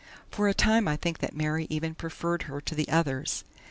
For a time I think that Mary even preferred her to the others.